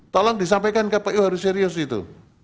tolong disampaikan kpu harus serius itu